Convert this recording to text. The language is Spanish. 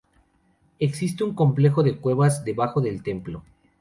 Existe un complejo de cuevas debajo del templo.